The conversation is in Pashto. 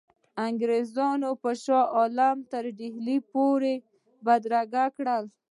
انګرېزان به شاه عالم تر ډهلي پوري بدرګه کړي.